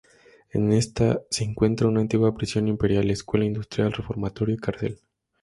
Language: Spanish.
En esta se encuentra una antigua prisión imperial, escuela industrial, reformatorio y cárcel.